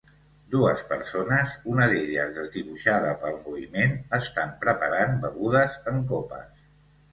Dues persones, una d'elles desdibuixada pel moviment, estan preparant begudes en copes